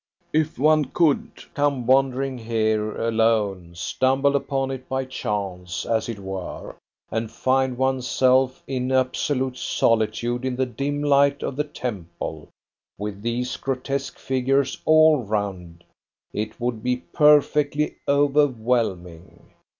"If one could come wandering here alone stumble upon it by chance, as it were and find one's self in absolute solitude in the dim light of the temple, with these grotesque figures all round, it would be perfectly overwhelming.